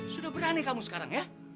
sudah berani kamu sekarang ya